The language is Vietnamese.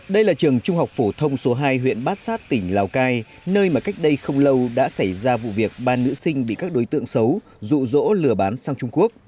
đây là trường trung học phổ thông số hai huyện bát sát tỉnh lào cai nơi mà cách đây không lâu đã xảy ra vụ việc ba nữ sinh bị các đối tượng xấu rụ rỗ lừa bán sang trung quốc